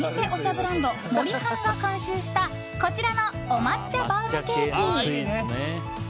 ブランド森半が監修したこちらのお抹茶バウムケーキ。